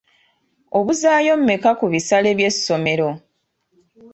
Obuzaayo mmeka ku bisale by'essomero?